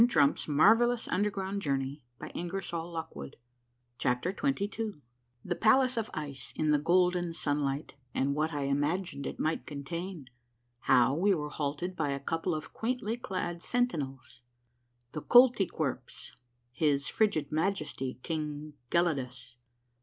160 A MARVELLOUS UNDERGROUND JOURNEY CHAPTER XXII THE PALACE OF ICE IN THE GOLDEN SUNLIGHT, AND WHAT I IMAGINED IT MIGHT CONTAIN. — HOW WE WERE HALTED BY A COUPLE OF QUAINTLY CLAD SENTINELS. — THE KOLTY KWERPS. — HIS FRIGID MAJESTY KING GELIDUS.